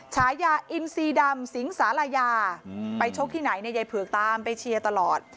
ฉายาอินซีดำสิงสาลายาไปชกที่ไหนเนี่ยยายเผือกตามไปเชียร์ตลอด